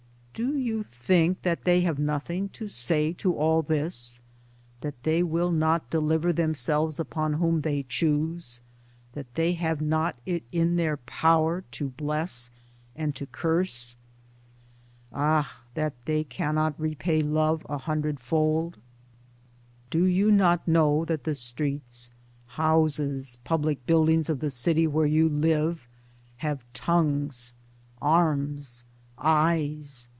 Do you think that they have nothing to say to all this, that they will not deliver themselves upon whom they choose, that they have it not in their power to bless and to curse, ah ! that they cannot repay love a hundredfold ? Do you not know that the streets, houses, public buildings of the city where you live, have tongues, arms, eyes?